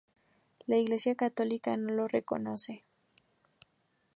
La Iglesia católica no lo reconoce.